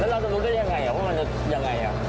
แล้วเราจะรู้ได้อย่างไรเพราะว่ามันจะอย่างไร